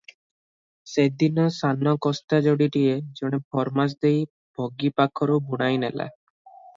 ସେଦିନ ସାନ କସ୍ତା ଯୋଡ଼ଟିଏ ଜଣେ ଫରମାସ ଦେଇ ଭଗି ପାଖରୁ ବୁଣାଇ ନେଲା ।